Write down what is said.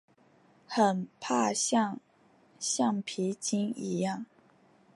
很怕像橡皮筋一样